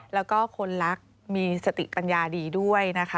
แล้วก็คนลักษณ์มีสติปัญญาดีด้วย